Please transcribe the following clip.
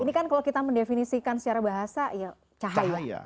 ini kan kalau kita mendefinisikan secara bahasa ya cahaya